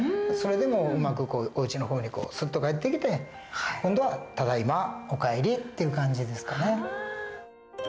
それでうまくおうちの方にすっと帰ってきて今度は「ただいま」「お帰り」っていう感じですかね。